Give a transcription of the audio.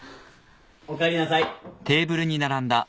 おかえりなさい。